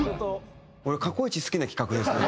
俺過去イチ好きな企画ですね。